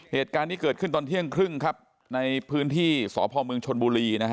เหตุการณ์นี้เกิดขึ้นตอนเที่ยงครึ่งครับในพื้นที่สพเมืองชนบุรีนะฮะ